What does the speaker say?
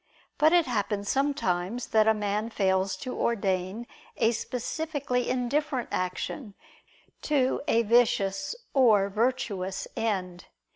But it happens sometimes that a man fails to ordain a specifically indifferent action to a vicious or virtuous end.